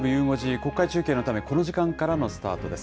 国会中継のため、この時間からのスタートです。